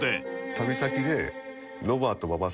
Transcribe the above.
旅先で。